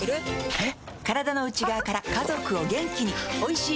えっ？